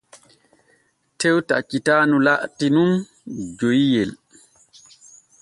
Tew taccitaanu laati nun joyiyel.